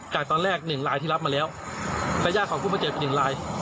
จากตอนแรกหนึ่งลายที่รับมาแล้วและญาติของผู้บาดเจ็บอีกหนึ่งราย